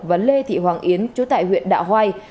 và lê thị hoàng yến chú tại huyện đạo hoài